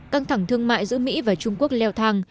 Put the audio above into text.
căng thẳng thương mại giữa mỹ và trung quốc leo thang